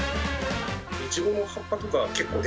イチゴの葉っぱとか、結構出